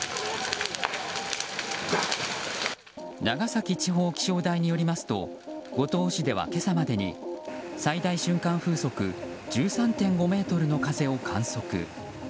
長崎地方気象台によりますと五島市では今朝までに最大瞬間風速１３．５メートルの風を観測。